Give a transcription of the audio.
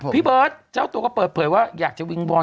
พี่เบิร์ตเจ้าตัวก็เปิดเผยว่าอยากจะวิงวอน